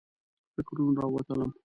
فکرونو راووتلم.